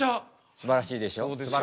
すばらしいでしょ。